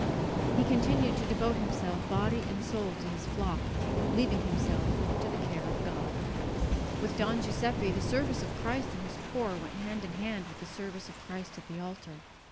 He continued to devote himself body and soul to his flock, leaving himself to the care of God. With Don Giuseppe the service of Christ in His poor went hand in hand with the service of Christ at the altar.